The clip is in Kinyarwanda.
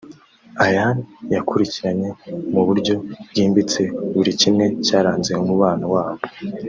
Ian yakurikiranye mu buryo bwimbitse buri kimwe cyaranze umubano wabo